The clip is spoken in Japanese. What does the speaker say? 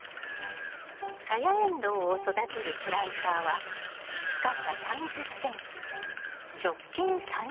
サヤエンドウを育てるプランターは深さ３０ｃｍ直径３０ｃｍ。